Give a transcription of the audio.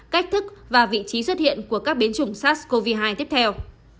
cách thức và vị trí xuất hiện của các biến chủng sars cov hai tiếp theo